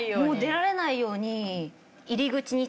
もう出られないように。